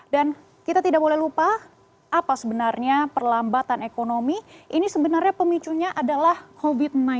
dan kita tidak boleh lupa apa sebenarnya perlambatan ekonomi ini sebenarnya pemicunya adalah covid sembilan belas